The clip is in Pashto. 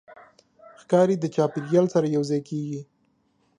ښکاري د چاپېریال سره یوځای کېږي.